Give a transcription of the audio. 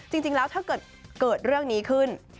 จริงแล้วถ้าเกิดเรื่องนี้ขึ้น